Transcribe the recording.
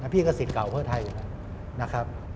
พี่ก็สิทธิ์เก่าเพื่อไทยอยู่แล้วนะครับ